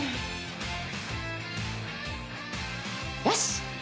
よし。